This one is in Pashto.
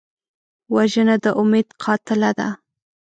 وژنه د امید قاتله ده